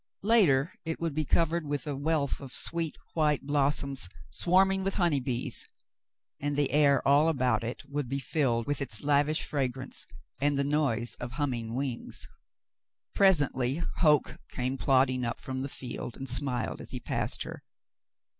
Later it would be covered with a wealth of sweet white blossoms swarming with honey bees, and the air all about it would be filled with its lavish fragrance and the noise of humming wings. Presently Hoke came plodding up from the field, and smiled as he passed her.